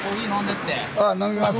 あ飲みます。